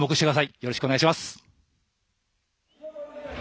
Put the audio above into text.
よろしくお願いします。